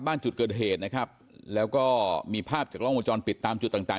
จุดเกิดเหตุนะครับแล้วก็มีภาพจากล้องวงจรปิดตามจุดต่างต่าง